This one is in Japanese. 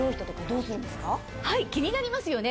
気になりますよね。